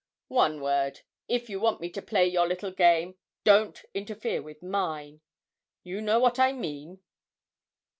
One word if you want me to play your little game, don't interfere with mine you know what I mean!'